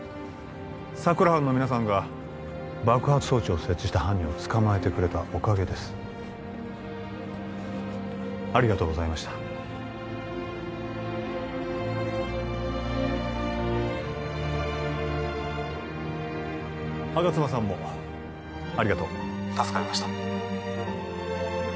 佐久良班の皆さんが爆発装置を設置した犯人を捕まえてくれたおかげですありがとうございました吾妻さんもありがとう助かりました